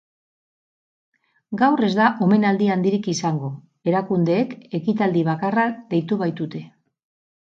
Gaur ez da omenaldi handirik izango, erakundeek ekitaldi bakarra deitu baitute.